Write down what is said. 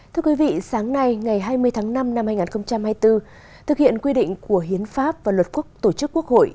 thưa quý vị sáng nay ngày hai mươi tháng năm năm hai nghìn hai mươi bốn thực hiện quy định của hiến pháp và luật quốc tổ chức quốc hội